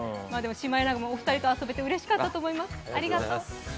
シマエナガもお二人と遊べてうれしかったと思います。